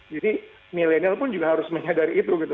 jadi milenial pun juga harus menyadari itu gitu